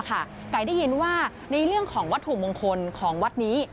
ไก่ได้ยินว่าในเรื่องของวัตถุมงคลของวัดนี้